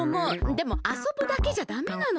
でもあそぶだけじゃダメなの。